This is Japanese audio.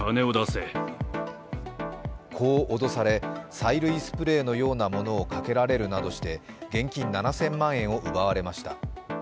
こう脅され、催涙スプレーのようなものをかけられるなどして現金７０００万円を奪われました。